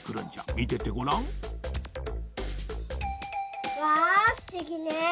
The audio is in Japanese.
みててごらん。わふしぎね。